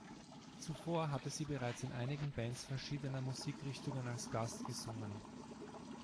Zuvor hatte sie bereits in einigen Bands verschiedener Musikrichtungen als Gast gesungen.